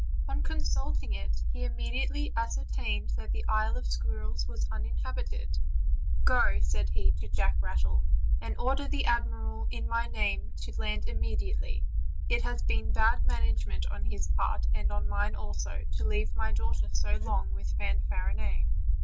On consulting it, he immediately ascertained that the Isle of Squirrels was uninhabited. "Go," said he to Jack Rattle, "and order the admiral in my name to land immediately; it has been bad management on his part, and on mine also, to leave my daughter so long with Fanfarinet."